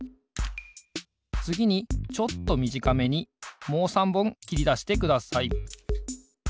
つぎにちょっとみじかめにもう３ぼんきりだしてください。